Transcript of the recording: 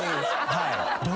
はい。